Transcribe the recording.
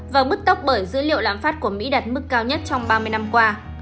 và bứt tốc bởi dữ liệu lạm phát của mỹ đặt mức cao nhất trong ba mươi năm qua